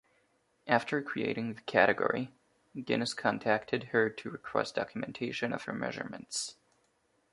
After creating the category, Guinness contacted her to request documentation of her measurements.